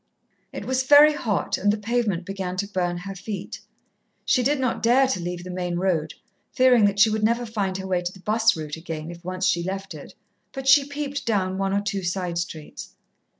It was very hot, and the pavement began to burn her feet. She did not dare to leave the main road, fearing that she should never find her way to the 'bus route again, if once she left it, but she peeped down one or two side streets.